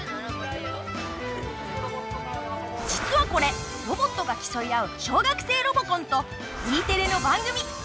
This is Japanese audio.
実はこれロボットが競い合う「小学生ロボコン」とＥテレの番組「Ｗｈｙ！？